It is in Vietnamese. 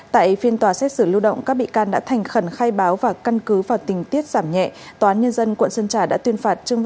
tại phiên tòa xét xử lưu động các bị can đã thành khẩn khai báo và căn cứ vào tình tiết giảm nhẹ